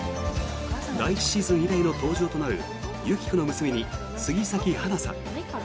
第１シーズン以来の登場となる有希子の娘に杉咲花さん。